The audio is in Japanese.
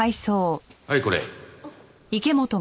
はいこれ。